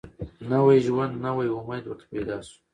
نوی ژوند نوی امید ورته پیدا سو